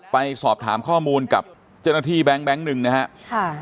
ไปสอบถามข้อมูลกับเจ้าหน้าที่แบงค์หนึ่งนะครับ